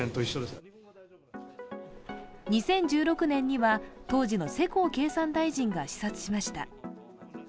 ２０１６年には、当時の世耕経産大臣が視察しました。